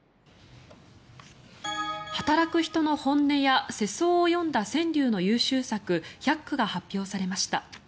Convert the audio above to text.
働く人の本音や世相を詠んだ川柳の優秀作１００句が発表されました。